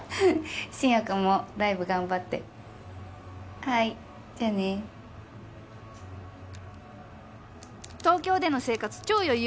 真也君もライブ頑張ってはいじゃあね「東京での生活超余裕。